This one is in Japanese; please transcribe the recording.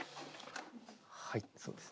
はいそうです。